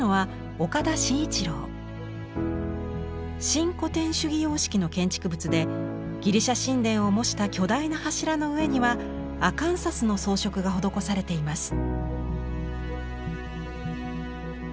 新古典主義様式の建築物でギリシャ神殿を模した巨大な柱の上にはアカンサスの装飾が施されています。